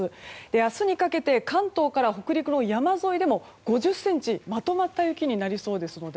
明日にかけて関東から北陸の山沿いでも５０ｃｍまとまった雪になりそうですので